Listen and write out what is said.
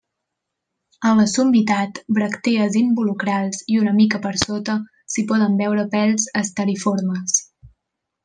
A la summitat, bràctees involucrals i una mica per sota, s'hi poden veure pèls asteriformes.